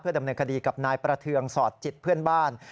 ดำเนินคดีกับนายประเทืองสอดจิตเพื่อนบ้าน